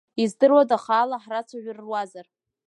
Издыруада хаала ҳрацәажәар руазар…